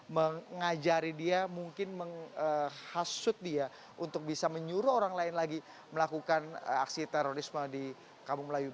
mengajari dia mungkin menghasut dia untuk bisa menyuruh orang lain lagi melakukan aksi terorisme di kampung melayu